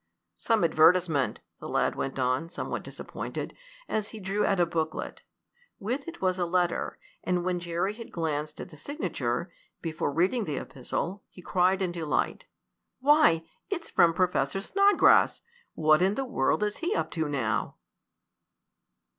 "Some advertisement," the lad went on, somewhat disappointed, as he drew out a booklet. With it was a letter, and when Jerry had glanced at the signature, before reading the epistle, he cried in delight. "Why, it's from Professor Snodgrass! What in the world is he up to now?"